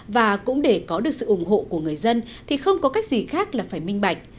và cũng để có được sự ủng hộ của người dân thì không có cách gì khác là phải minh bạch